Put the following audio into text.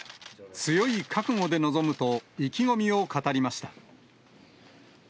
強い覚悟で臨むと、意気込みを語りました。